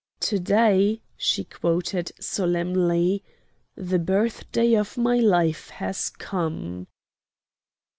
"'To day,'" she quoted, solemnly, "'the birthday of my life has come.'"